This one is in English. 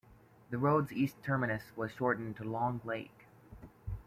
The road's east terminus was shortened to Long Lake.